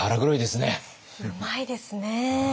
うまいですね。